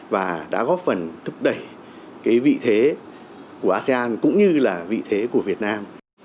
và đã góp phần thúc đẩy cái vị thế của asean cũng như là vị thế của việt nam